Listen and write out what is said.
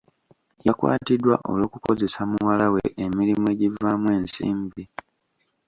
Yakwatiddwa olw'okukozesa muwala we emirimu egivaamu ensimbi.